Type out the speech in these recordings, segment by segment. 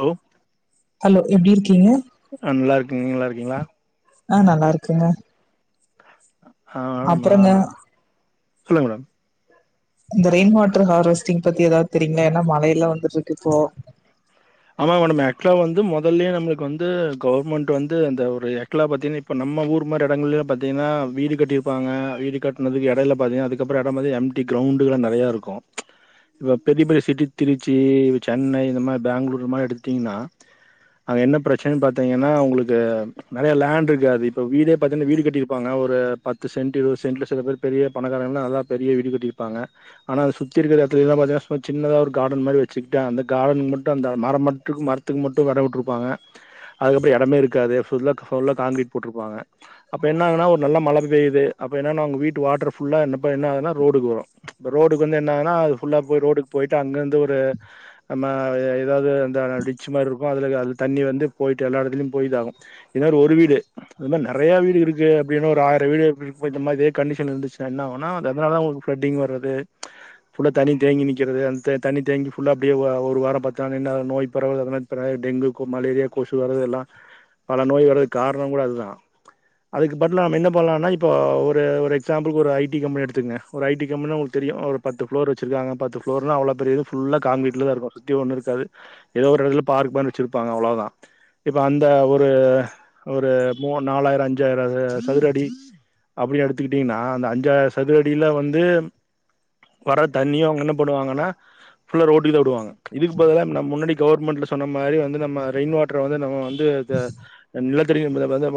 Hello hello எப்டி இருக்கீங்க கீங்ளா ஆஹ் நல்லா இருக்குங்க ஆமா அப்புறங்க சொல்லுங்க மேடம் இந்த ரெயின் வாட்டர் ஹார்வஸ்டிங் பத்தி ஏதாவது தெரியுங்களா ஏன்னா மழைய எல்லாம் வந்துட்டு இருக்கு இப்போ ஆமா மேடம் எக்லா வந்து முதல்லயே நம்மளுக்கு வந்து கவர்மெண்ட் வந்து இந்த ஒரு எக்லா பாத்தீங்கன்னா இப்ப நம்ம ஊர் மாதிரி இடங்கள பாத்தீங்கன்னா வீடு கட்டிருப்பாங்க வீடு கட்டினதுக்கு இடையில பாத்தீங்கன்னா அதுக்கப்புறம் இடம் எம்டி கிரௌண்டு எல்லாம் நெறையா இருக்கும் இப்ப பெரிய பெரிய சிட்டி திருச்சி இ சென்னை இந்த மாதிரி பெங்களூர் அங்க என்ன பிரச்சினை பாத்திங்கனா உங்களுக்கு நெறைய லேண்ட் இருக்காது இப்ப வீடே பாத்திங்கனா வீடு கட்டிருபாங்க ஒரு பத்து சென்ட் இருபது சென்ட் சில பேர் பெரிய பணகாரவங்களா பெரிய வீடு கட்டிருபாங்கா ஆனா சுத்தி இருக்க எடத்துல பாத்திங்கனா சும்மா சின்னதா கார்டன் மாரி வச்சிகிட்ட அந்த கார்டன்னுக்கு மட்டும் மரம் மட்டும் மரத்துக்கு மட்டும் இட விட்டருப்பாங்க அதுக்கப்புறம் இடமே இருக்காதுபுல்லா காங்க்ரீட் போட்டிருப்பாங்க அப்ப என்ன ஆங்கனா ஒரு நல்ல மழை பெய்யு அப்ப என்னன்னா அவங்க வீட்டு வாட்டர் ஃபுல்லா என்னப்ப என்ன ஆதுன்னா ரோடுக்கு வரும் இ ரோடுக்கு வந்து என்ன ஆனாது புல்ல போய் ரோடுக்கு போயிட்டு அங்கேந்து ஒரு அந்த டிட்ச் மாரி இருக்கும் தண்ணி வந்து போயிட்டு எல்லா இடத்துலும் போயும்தா ஆகும் ஒரு வீடு மாரி நெறைய வீடு இருக்கு அப்ப ஒரும் வீடு் த தேங்கி நிக்றது த தேங்கிடிய ஒரு வாரம் ப நோய் பரவுது டெங்கு மலேரியா கொசு வரது எல்லாம் பல நோய் வரதுக்கு காரணகூட அதுதான் அதுக்கு பண்ணுளாமே என்ன பண்ணுளா இப்போ ஒரு ஒரு எக்ஸாம்புள் ஐடி கம்பனி எடுத்துக்கோங்க ஐடி கம்பனி நா உங்களுக்கு தெரியும் ஒரு பத்து பிளூர் வச்சிருக்காங்க பத்து பிளோர்நா அவ்ளோ பெரிய இது ஃபுல்லா காங்கிங்கிர்ட்லா இருக்கும் சுத்தி ஒன்னு ஏ ஒரு இடத்துல பார்க் மாரி வச்சிருப்பாங்க அவளோதான் இப்ப அந்த ஒரு நாலாயிரம் அஞ்சாயிரம் சதுரடி அப்படனு எடுத்துக்கிட்டீனா அந்த அஞாயிர சதுரடியில வந்து வர தண்ணிய என்ன பண்ணுவாங்க ஃபுல்லா ரோட்டுக்குதா விடுவாங்க இது ப்பல்ல முன்னாடி கவர்மெண்ட்ல சொன்ன மாதிரி வந்து நம்ம ரெயின் வாட்டர் வந்து நம்ம வந்து நிலத்தடி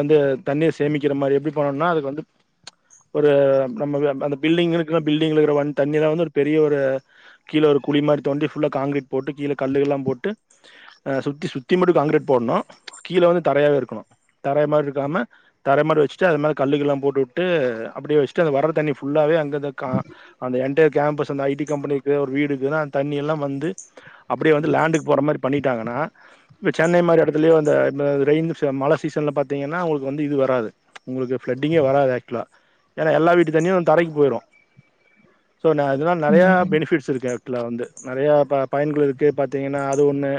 வந்து தண்ணீர் சேமிக்கிற மாதிரி எப்படி போனோம்னா அதுக்கு வந்து ஒரு நம்ம அந்த பில்டிங் படி இருக்க தண்ண வந்து பெரிய ஒரு கீழே ஒரு குழி மாதிரி தோண்டி புல்லா காங்கிரீட் போட்டு கீழே கல்லுகளலாம் போட்டு சுற்றி சுற்றி மட்டுும் காான்க்ரீட் போடணும் கீழே வந்து தரையவே இருக்கணும் தர மாதிரி இருக்காம தரை மாதிரி வச்சுட்டு அது மேதே குக்கெலாம் போட்டுவிட்டு அப்படியே வச்சுட்டு அந்த வரற தண்ணி ஃபுல்லாகவே அங்க துக்க அந்த என் கேம்பஸ் அந்த ஐடி கம்பெனிக்கு ஒரு வீடுக்கு தான் அந்த தண்ணி எல்லாம் வந்து அப்படியேந்து லேண்டுக்கு போகிற மாதிரி பண்ணிட்டாங்கன்னா இப்போ சென்ன மாதிரி இடத்துலயே வந்து ரெயின் மழை சீசன்ல பாத்தீங்கன்னா உங்களுக்கு வந்து இது வராது உங்களுக்கு ஃப்ளட்டிங்கே வராது ஆக்சுவலா ஏன்னா எல்லா வீட்டு தண்ணியும் தரைக்கு போயிடும் ஸோ நான் அதனால நறையா ம் பெனிஃபிட்ஸ் இருக்கு அதுல வந்து நறைய பயன்கள் இருக் கு பாத்தீங்கன்னா அது ஒன்னு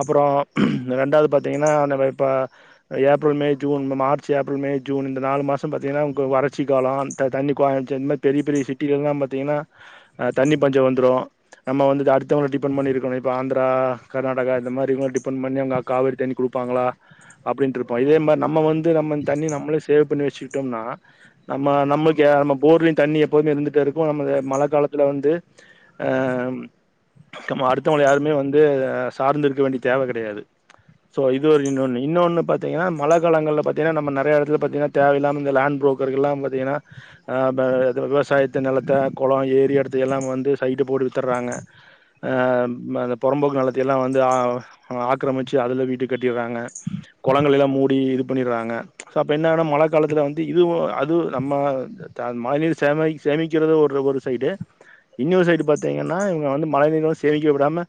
அப்பறம் ரெண்டாவது பாத்தீங்கன்னா ஏப்ரல் மே ஜுன் இந்த மார்ச் ஏப்ரல் மே ஜுன் இந்த நாலு மாசம் பாத்துங்கன்னா வறட்சி காலம் தண்ணி பெரிய பெரிய சிட்டி எல்லாம் பாத்தீங்கன்னா தண்ணி பஞ்சம் வந்துடும் நம்ம வந்துட்டு அடுத்தவங்கல டிபெண்ட் பண்ணி இருக் கனும் ஆந்திரா கர்நாடகா இந்த மாரி காவிரி தண்ணி குடுப்பாங்களா அப்படின்டு இருப்போம் இதே மாரி தண்ணி நம்மளே சேவ் பண்ணி வச்சுக்கிட்டோம்னா நம்ம நம்ம போர்லையும் தண்ணி எப்போவுமே இருந்துட்டே இருக்கும் மழை காலத்துல வந்து அஹ் அடுத் தவுங்கள யாருமே வந்து சார்ந்து இருக்க வேண்டிய தேவை கிடையாது இன்னொன்னு பாத்தீங்கன்னா மழை காலங்கள பாத்தீங்கன்னா நம்ம நறைய இடத்துல பாத்தீங்கன்னா தேவை இல்லாம இந்த லேண்ட் புரோக்கர்கள் எல்லாம் விவசாயத்தை நிலத்தை குளம் ஏ ரி இடத்துக்கு எல்லாம் வந்து சைட்டு போட்டு வித்துடுறாங்க ஆஹ் அந்த புறம்போக்கு நிலத்தெல்லாம் வந்து ஆக்கிரமிச்சு அதிலவீடு கட்டிடுறாங்க குளங்களெல்லாம் மூடி இது பண்ணிடுறாங்க ஸோ அப்போ என்னன்னா மழை காலத்தில் வந்து இது அதுவும் நம்ம த மழை நீர் சேமி சேமிக்கிறது ஒரு சைடு இன்னொரு சைடு பார்த்தீங்கன்னா இவுங்க வந்து மழை நீீரை வந்து சேமி க்க விடாம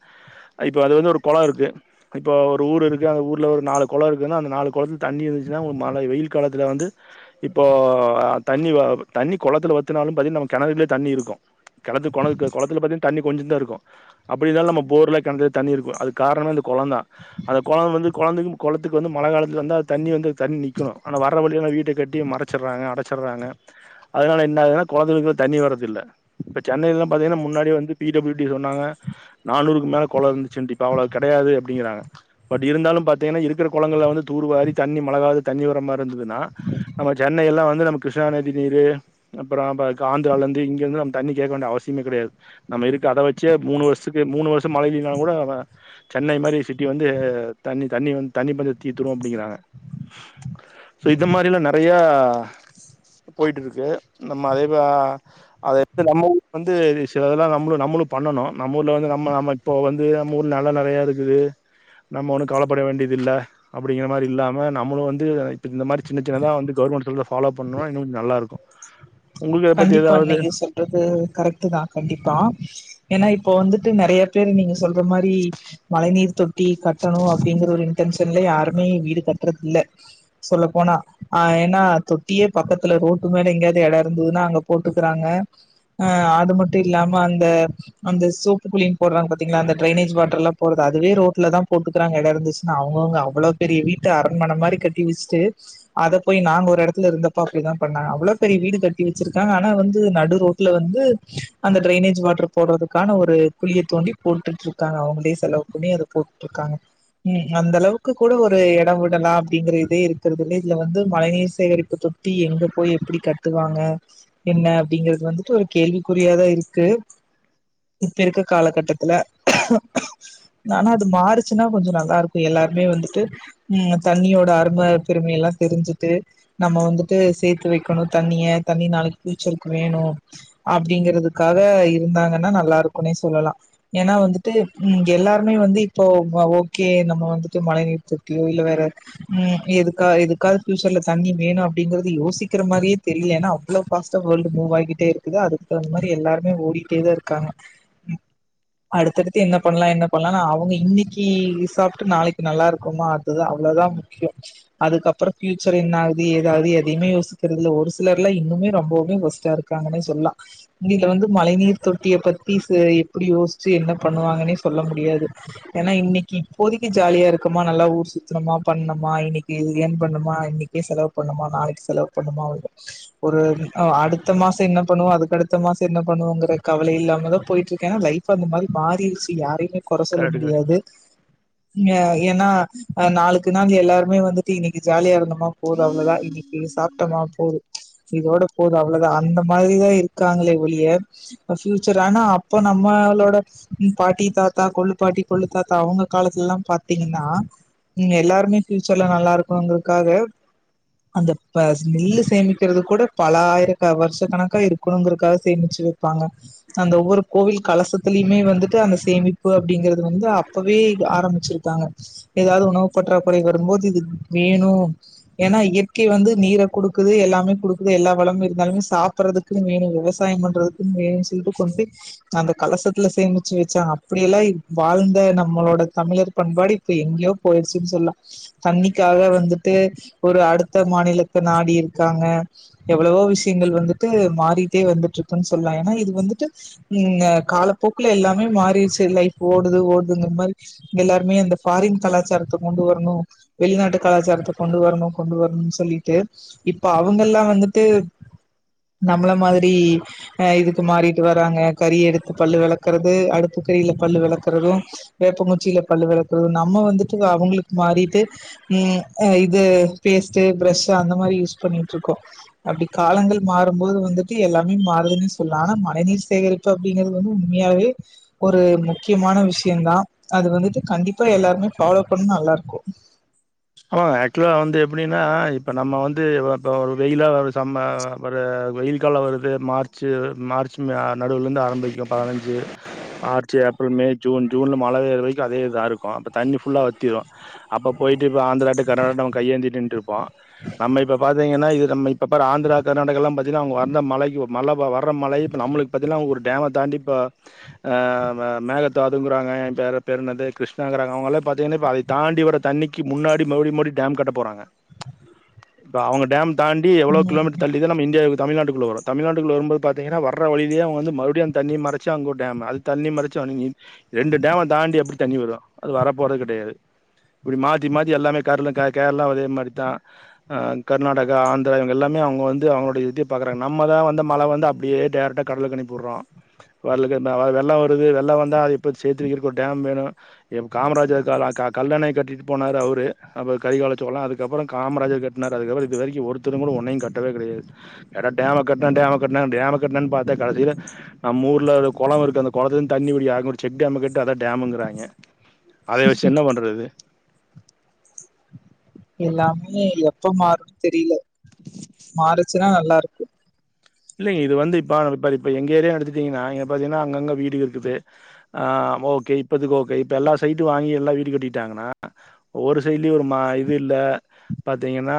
இப் ப அது வந்து ஒரு குலம் இருக்கு இப்போ ஒரு ஊரு இருக்கு அந்த ஊர்ல ஒரு நாலு குளம் இருக்குன்ன அந்த நாலு குளத்து தண்ணி இருந்துச்சுன்னா மழ வெயில் காலத்துல வந்து இப்போ தண்ணி தண்ணி குளத்துல வத்துனாலும் கிணத்துலயே தண்ணி இருக்கும் குளத்துல தண்ணி கொஞ்சம் தான் இருக்கும் அப்படி இல்லனா நம்ம போரில் கிணத்துல தண்ணி இருக்கும் அதுக்கு காரணம் அந்த குளம் தான் அந்த குளத்துக்கு வந்து குழந்தைக்கும் குளத்துக்கும் வந்து மழை காலத்தில வந்து அது தண்ணி வந்து தண்ணி நிற்கணும் ஆனால் வர வழி எல்லாம் வீட்டை கட்டி மறைச்சி்றாங்க அடைச்சிடுறாங்க அதனால் என்ன ஆகுதுன்னா குழந்தைகளுக்கு தண்ணி வரதில்லை இப்போ சென்னையில்லாம் பார்த்தீங்கன்னா முன்னாடியே வந்து பிடபிள்யூடி சொன்னாங்க நானூறுக்கு மேல குளம் இருந்துச்சுட்டு இப்ப அவ்வளவு கிடையாது அப்படிங்கிறாங்க பட் இருந்தாலும் பாத்தீங்கன்னா இருக்கிற குளங்கள்ல வந்து தூர்வாரி தண்ணி மழகால தண்ணி வரமாரி இருந்ததுன்னா நம்ம சென்னை எல்லாம் வந்து நம்ம கிருஷ்ணா நதி நீர் அப்புறம் ஆந்திராவில இருந்து இங்க இருந்து நம்ம தண்ணி கேக்க வேண்டிய அவசியமே கிடையாது நமக்கு அதை வச்சே மூணு வருஷத் துக்கு மூணு வருஷம் மழை இல்லனா கூட சென்னை மாரி சிட்டி வந்து தண்ணி தண்ணி வ தண்ணி பந்து தீத்துரும் அப்படிங்கிறாங்க சோ இந்த மாரிலாம் நறையா ஆஹ் போயட்டுருக்கு நம்ம அதேப்ப அதை வந்து நம்ம வந்து சில இதெல்லாம் நம்மளும் நம்மளும் பண்ணணும் நம்ம ஊர்ல வந்து நம்ம நம்ம இப்போ வந்து நம்ம ஊர்ல நலம் நிறையா இருக்குது நம்ம ஒண்ணும் கவலைப்பட வேண்டியது இல்ல அப்படிங்கிற மாதிரி இல்லாம நம்மளும் வந்து இப்ப இந்த மாதிரி சின்ன சின்னதான் வந்து கவர்மெண்ட் சொல்றத ஃபாலோ பண்ணோம்னா இன்னும் கொஞ்சம் நல்லா இருக்கும் கண்டிப்பா இன்னைக்கு சொல்றது கரெக்ட்டு தான் கண்டிப்பா ஏன்னா இப்போ வந்துட்டு நறைய பேர் நீங்க சொல்ற மாரி மழை நீர் தொட்டி கட்டணும் அப்படிங்கிற ஒரு இன்டென்ஷன்ல யாருமே வீடு கட்டுறது இல்லை சொல்லப்போனா ஆஹ் ஏன்னா தொட்டியே பக்கத்துல ரோட்டு மேல எங்கேயாவது இடம் இருந்ததுனா அங்க போட்டுக்கிறாங்க அது மட்டும் இல்லாம அந்த அந்த சோப்பு குளி போடுறாங்க பாத்தீங்களா அந்த டிரெய்னேஜ் வாட்டர் எல்லாம் போறது அதுவே ரோட்ல தான் போட்டுக்கிறாங்க இடம் இருந்துச்சுன்னா அவ்ளோ பெரிய வீட்டு அரண்மனை மாதிரி கட்டி வச்சுட்டு அத போய் நாங்க ஒரு இடத்துல இருந்தப்போ அப்படி தான் பண்ணுணாங்க அவள பெரிய வீடு கட் டி வச்சிருக்காங்க ஆனா வந்து நடு ரோட்ல வந்து அந்த டடிரெய்னேஜ் வாட்டர் போடுறதுக்கான ஒரு குழியை தோண்டி போட்டுட்டு இருக்காங்க அவுங்களே செலவு பண்ணி அத போட்டுட்டு இருக்காங்க உம் அந்த அளவுக்கு கூட ஒரு இடம் விடலாம் அப்படிங்கிறது இதே இருக்கறது இல்ல இதுல வந்து மழைநீர் சேகரிப்பு தொட்டி எங்க போய் எப்படி கட்டுவாங்க என்ன அப்படிங்கிறது வந்துட்டு ஒரு கேள்விக்குறியாதான் இருக்கு இப்ப இருக்கற காலகட்டத்துல ஆனா அது மாறுச்சுன்னா கொஞ்சம் நல்லா இருக்கும் எல்லாருமே வந்துட்டு உம் தண்ணியோட அரும பெருமைய எல்லாம் தெரிஞ்சுட்டு நம்ம வந்துட்டு சேர்த்து வைக்கணும் தண்ணிய தண்ணி நாளைக்கு பியூச்சர்கக்கு வேணும் அப்படிங்கிறதுக்காக இருந்தாங்கன்னா நல்லா இருக்கும்னே சொல்லலாம் ஏன்னா வந்துட்டு எல்லாருமே வந்து இப்போ ஓகே நம்ம வந்துட்டு மழை நீர் தொட்டியோ இல்ல வேற உம் எதுக்க எதுக்காவது பியூச்சர்ல தண்ணி வேணும் அப்படிங்கிறது யோசிக்கிற மாதிரியே தெரியல ஏன்னா அவ்ளோ ஃபாஸ்ட்டா வேர்ல்ட் மூவ் ஆகிட்டே இருக்குது அதுக்கு தகுந்த மாரி எல்லாருமே ஓடிட்டேதான் இருக்காங்க அடுத்தடுத்து என்ன பண்ணலாம் என்ன பண்ணலாம் அவுங்க இன்னைக்கு சாப்பிட்டு நாளைக்கு நல்லா இருக்குமா அது அவ்வளோதான் முக்கியம் அதுக்கப்புறம் ியூச்சர் என்ன ஆகுது ஏதகுது எதையுே யோசிக்கிறதுல ஒரு சிலர் இன்னுமே ரொம்பவுமே வர்ஸ்ட்டா இருக்காங்கன்னே சொல்லாம் இங்கதுல வந்து மழை நீர் தொட்டிய பத்தி எப்படி யோசிச்சு என்ன பண்ணுவாங்கன்னே சொல்ல முடியாது ஏன்னா இன்னைக்கு இப்போதக்கு ஜாலியா இருக்குமா நல்லா ஊர் சுத்தணமா பண்ணுமா இன்னைக்கு ஏன் பண்ணுமா இன்னைக்கே செலவு பண்ணுமா நாளைக்கு செலவு பண்ணுமா அவ ஒரு ஆஹ் அடுத்த மாசம் என்ன பண்ணுவோம் அதுக்குடுத்து த்த மாசம் என்ன பண்ணுவோம்கிற கவலை இல்லாம தான் போயிட்டு இருக்கேன் ஏன்னாலைப் அந்த மாரி மாறிச்சு யாரையுமே குறை சொல்ல கரெக்ட் கரெக்ட் முடியாது அஹ் ஏன்னா அஹ் நாளுக்கு நாள் எல்லாருமே வந்துட்டு இன்னைக்கு ஜாலியா இருந்தோமா போதும் அவ்வளவுதான் இன்னைக்கு சாப்பிட்டமா போதது இதோட போதும் அவ்வளவுதான் அந்த மாதிரிதான் இருக்காங்களே ஒளிய பஃபியூச்சர் ஆனா அப்ப நம்மளோட பாட்டி தாத்தா கொள்ளு பாட்டி கொல்லு தாத்தா அவங்க காலத்துல எல்லாம் பாரத்தீங்கன்னா எல்லாருமே ஃபியூச்சர்ல நல்லா இருக்குங்கிறதுக்காக அந்த நெல்லு சேமிக்கிறதுக்கு கூட பல ஆயிர வருஷ கணக்காக இருக்கணுங்கிறதுக்காக சேமிச்சு வைப்பாங்க அந்த ஒவ்வொரு கோவில் கலசத்தலயுமே வந்துட்டு அந்த சேமிப்பு அப்படிங்கறிறது வந்து அப்பவே ஆரம்பிச்சிருக்காங்க ஏதாவது உணவு பற்றாக்குறை வரும்போது இது வேணும் ஏன்னா இயற்கை வந்து நீரை குடுக்குது எல்லாமே குடு எல்லா வளமு இருந்தாலுமே சாப்பறதுக்கு வேணும் விவசாயம் பண்றதுக்குன்னு வேணும்னு சொல்லிட்டு கொண்டு அந்த கலசத்துல சேமிச்சு வச்சாங்க அப்படியெல்லாம் வாழ்ந்த நம்மளோட தமிழர் பண்பாடு இப்ப எங்கேயோ போயிடுச்சுன்னு சொல்லலாம் தண்ணிக்காக வந்துட்டு ஒரு அடுத்த மாநிலத்து நாடி இருக்காங்க எவ்வளவோ விஷயங்கள் வந்துட்டு மாறிட்டே வந்துட்டு இருக்குன்னு சொல்லலாம் ஏன்னா இது வந்துட்டு உஹம் காலப்போக்குல எல்லாமே மாறிடுச்சு லைஃப் ஓடுது ஓடுதுங்க மாதிரி எல்லாருமே அந்த பபாரின் கலாச்சாரத்தை கொண்டு வரணும் வெளிநாட்டு கலாச்சாரத்தை கொண்டு வரணும் கொண்டு வரணும்னு சொல்லிட்டு இப்ப அவுங்க எல்லாம் வந்துட்டு நம்மள மாதிரி அஹ் இதுக்கு மாறிட்டு வராங்க கறி எடுத்து பல்லு வளக்குறது அடுப்பு கறில பல்லு வளக்குறதும் வேப்பங்கச்சியில பல்லு விளக்குறதும் நம்ம வந்துட்டு அவுங்களுக்கு மாறி ஹம் இது பேஸ்ட்ட் ப்ஷ் அந்த மாதிரி யூஸ் பண்ணி இருக்கோம் அப்படி காலங்கள் மாறும்போது வந்துட்டு எல்லாமே மாறுதுன்னே சொல்லலாம் ஆனா மழை நீீர் சேகரிப்பு அப்படிங்கிறது வந்து உண்மையாவே ஒரு முக்கியமான விஷயம்தான் அது வந்துட்டு கண்டிப்பா எல்லாருமே ஃபாலோ பண்ணும் நல்லா இருக்கும் ஆமா ஆக்சுவலா வந்து எப்படின்னா இப்ப நம்ம வந்து வெயில ஒரு வெயில் காலம் வருது மார்ச் மார்ச் நடுவுலேருந்து ஆரம்பிக்கும் பதினஞ்சு மார்ச் ஏப்ரல் மே ஜூன் ஜூன்ல மழை பேறுவைக்கும் அதே இதா இருக்கும் அப்ப தண்ணி புல்லா வத்திரும் அப்ப போயிட்டு இப்போ ஆந்திரா டூ கர்னாட்டகா கையேந்தி நிண்ணுட் இருப்போம் நம்ம இப்போ பாத்தீங்கன்னா ஆந்திரா கர்நாட்ச காண்டிப்ப மேங்கணா அத தாண்டி வர தண்ணிக்கு முன்னாடி மறுபடி மடி டேம் கட்ட போறாங்க இப்ப அவுங்க டேம் தாண்டி எவ்வளோ கிலோ ம் மீட்டன நம் இந்தியாக்கு தமிழ்நாட்டுக்குள்ள வரு தமிழ்நாட்டுக்குள்ள வரும்போது பாத்திங்கன்னா வர வழியிலயே அவங்க வந்து மறச்சு அங்க ஒரு டேம்மு அது தண்ணி மறச்சு [unintelligible] ரெண்டு டேம்மு தான்டி எப்டி தண்ணி வரு. அது வர போறது கெடையாது இப்டி மாத். இது மாரி எல்லாமே கேரளக்கா கேரளா அதே மாரிதா ஹ கர்நாடகா ஆந்திரா இங்க எல்லாமே அவங்க வந்து அவோட இது பாக்குறாங்க நம்மதா வந்து மழ வந்து அப்படியே டேரக்ட்டா கடலுக்கு அனுப்பி புடுறோ. [unintelligible] வெள்ளோ வருது வெள்ளோ வந்தா [unintelligible] சேத்து வைக்க ஒரு டேம் வேணு. எம் காமராஜர் காலோ கல் கல்லணை கட்டிட்டு. போனாரு அவரு அப்புறோ கறிகாலச்சோல அதுக்கப்புறோ காமராஜர் கட்னாரு அதுக்கப்புறோ இது வரைக்கு ஒருத்தரும் கூட ஒன்னையும் கட்டவே கெடையாது. ஏன்னா டேம்ம கட்ன டேம்ம கட்ன [unintelligible] பாத்தா கடைசியில நம்ம ஊர்ல ஒரு கொளோ இருக்கு அந்த கொளத்துலுருந்து தண்ணி வடிய ஆரம்பிச்சுருச்சு அந்த டேம்ம கட்டிட்டு அதா டேமுங்கிறாங்க. அதை வச்சு என்ன பண்றது. எல்லாமே எப்ப மாறும்னு தெரியல. மாறுச். சுன்னா நல்லா இருக்கு. இல்லலைங்க இது வந்து இப்ப இப்ப இப்ப எங்க ஏரிய எடுத்துட்டீங்கன்னா இ பாத்தீங்கன்னா அங்கங்க வீடு இருக்குது. ஆஹ ஓக்கே இப்பதுக்கு ஓக்கே இப்ப எல்லா சைட்டு வாங்கி எல்லா வீடு கட்டிட்டாங்கன்னா ஒவ்வரு சைடுலயும் இது இல்ல. பாத்தீங்கன்னா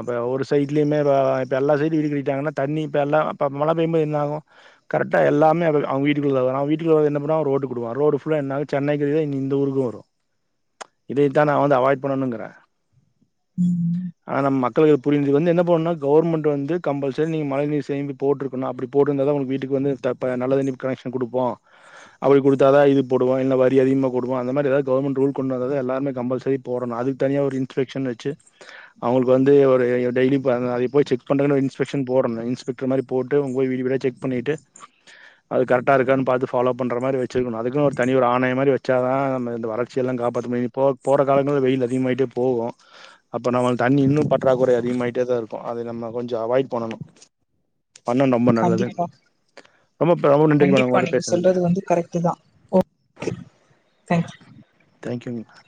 இப்ப ஒரு சைட்லயுமே இப்ப எல்லா சைடு வீடு கட்டிட்டாங்கன்னா தண்ணி. இப்ப எல்லாம இப்ப மழ பெயும்போது என்ன ஆகு. கரெக்டா எல்லாமே அவங்க வீட்டுக்குள்ள வீட்டுக்குள்ள என்ன பண்ண ரோட்டுக்குடுவா ரோடு ஃபுல்லா சென்னைக்கு இந்த ஊருக்கு வரு. இதைத்தா நா வந்து அவாய்ட் பண்ணனுங்குற. ம் ஆனா நம் மக். களுக்கு புரி என்ன பண்ணுனா கவர்மெண்ட் வந்து கம்பல்சரி நீ மழை நீர். தேங்கு போட்டுருக்கனு அப்படி போட்டுருந்தாதா உங்களுக்கு வீட்டுக்கு வந்து நல்ல தண்ணி கனைக்க்ஷன் குடுப்போ. அப்டி குடுத்தாதா இது போடுவோ இல்ல வரி அதிகமாக குடுப்போ அந்த மாரிதாவது கவர்மெண்ட் ரூல் கொண்டு வந்த எல்லாரு கம்பல்சரி போடணு அது தனியாக ஒரு இன்ஸ்பெக்ஷன் வச்சு அவங்களுக்கு வந்து ஒரு [unintelligible] செக் பண்றனு இன்ஸ்பெக்சன் போடனு. ஸ்பிக்கர் மாரி போட்டு உங்க வீடு பூரா செக் பண்ணிட்டு அது கரெக்டாக இருக்கான்னு பாத்து ஃபாலோ பண்ணற மாரி வச்சுக்கணு அதுக்கு ஒரு தனி ஒரு ஆனையோ மாரி வச்சாதா நம்ம இந்த வளர்ச்சியெல்லாம் காப்பாத்த முடியு போ போற காலங்கள்ல வெயில் அதிகமாயிட்டே போகு. அப்போ நம்ம தண்ணி இன்னும் பற்றாக்குற அதிகமாயிட்டேதா இருக்கு அதை நம்ம கொஞ்சோ அவாய்ட் பண்ணணு. பண்ணா ரொம்ப நல்லது. கண்டிப்பா ரொம்ப ரொம்ப நன்றி [unintelligible] கண்டிப்பா உங்களோட நீங்க பேசுனதுக்கு. சொல்றது வந்து கரெக்ட் தான் ஓ தேங்க்யூ. தேங்க்யூக்கா.